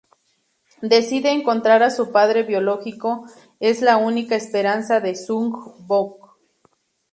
Decide encontrar a su padre biológico es la única esperanza de Suk Bong.